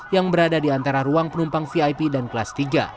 yang berada di antara ruang penumpang vip dan kelas tiga